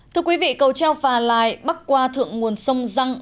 thưa quý vị cầu treo phà lai bắc qua thượng nguồn sông răng